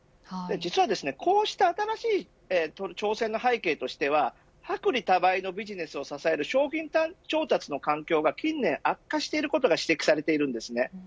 実は、こうした新しい挑戦の背景として薄利多売のビジネスを支える商品調達の環境が近年悪化していることが指摘されています。